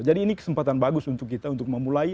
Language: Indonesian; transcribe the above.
jadi ini kesempatan bagus untuk kita untuk memulai